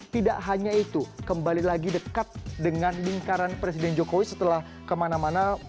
tidak hanya itu kembali lagi dekat dengan lingkaran presiden jokowi setelah kemana mana